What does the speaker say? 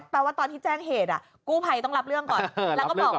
แต่ว่าตอนที่แจ้งเหตุกูภัยต้องรับเรื่องก่อน